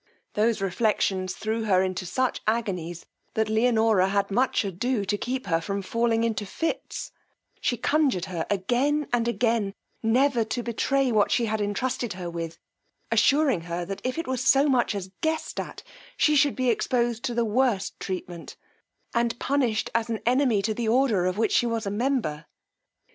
Those reflections threw her into such agonies, that Leonora had much ado to keep her from falling into fits: she conjured her again and again, never to betray what she had entrusted her with; assuring her, that if it were so much as guessed at, she should be exposed to the worst treatment, and punished as an enemy to the order of which she was a member.